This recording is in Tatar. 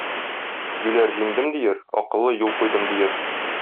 Юләр "җиңдем" диер, акыллы "юл куйдым" диер.